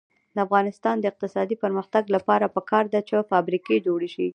د افغانستان د اقتصادي پرمختګ لپاره پکار ده چې فابریکې جوړې شي.